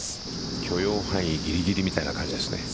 許容範囲ギリギリみたいな感じですね。